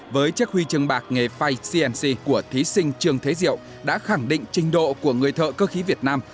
với chiếc huy chương bạc nghề fay cnc của thí sinh trường thế diệu đã khẳng định trình độ của người thợ cơ khí việt nam